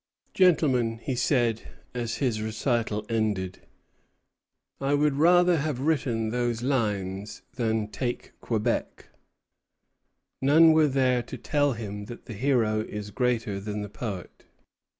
"Gentlemen," he said, as his recital ended, "I would rather have written those lines than take Quebec." None were there to tell him that the hero is greater than the poet.